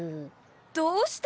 どうしたの？